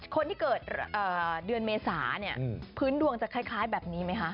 คนที่เกิดเดือนเมษาเนี่ยพื้นดวงจะคล้ายแบบนี้ไหมคะ